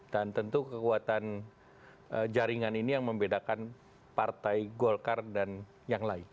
dan tentu kekuatan jaringan ini yang membedakan partai golkar dan yang lain